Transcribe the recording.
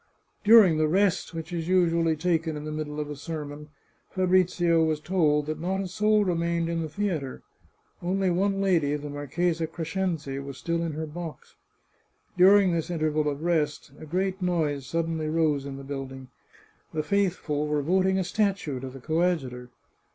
During the rest which is usually taken in the middle of a sermon, Fabrizio was told that not a soul remained in the theatre. Only one lady, the Marchesa Crescenzi, was still in her box. During this interval of rest, a great noise sud denly rose in the building; the faithful were voting a statue to the coadjutor.